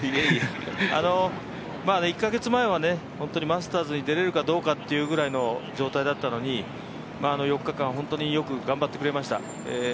１カ月前は、本当にマスターズに出れるかどうかという状態だったのに４日間本当によく頑張ってくれました。